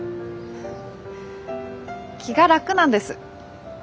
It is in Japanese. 気が楽なんです。